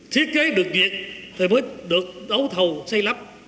thiết kế được duyệt thì mới được đấu thầu xây lắp